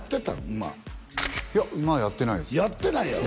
馬いや馬はやってないですやってないやろ？